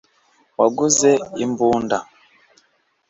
waguze imbunda